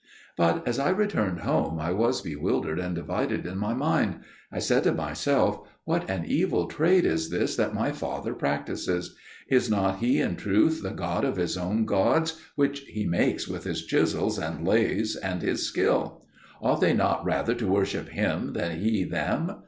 But as I returned home, I was bewildered and divided in my mind. I said to myself, "What an evil trade is this that my father practises! Is not he in truth the god of his own gods which he makes with his chisels and lathes and his skill? Ought they not rather to worship him than he them?